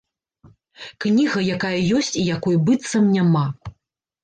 Кніга, якая ёсць і якой быццам няма.